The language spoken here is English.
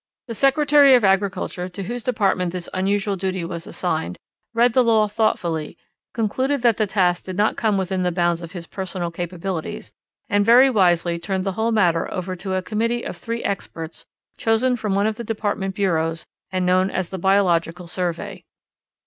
The Secretary of Agriculture, to whose department this unusual duty was assigned, read the law thoughtfully, concluded that the task did not come within the bounds of his personal capabilities, and very wisely turned the whole matter over to a committee of three experts chosen from one of the department bureaus and known as the Biological Survey.